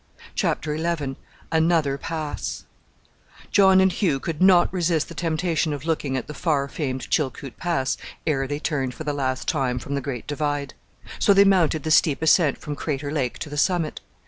CHAPTER XI ANOTHER PASS John and Hugh could not resist the temptation of looking at the far famed Chilkoot Pass ere they turned for the last time from the Great Divide. So they mounted the steep ascent from Crater Lake to the summit.